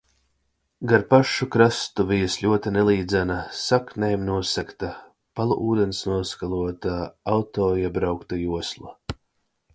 Gar pašu krastu vijas ļoti nelīdzena, saknēm nosegta, palu ūdens noskalota auto iebraukta josla.